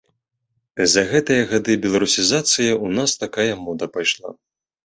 За гэтыя гады беларусізацыі ў нас такая мода пайшла.